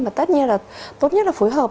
mà tất nhiên là tốt nhất là phối hợp